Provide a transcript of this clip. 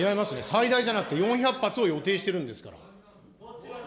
最大じゃなく、４００発を予定してるんですから。